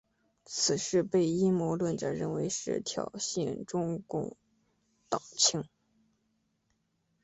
此事被阴谋论者认为是挑衅中共党庆。